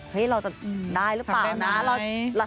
เราจะได้หรือเปล่านะ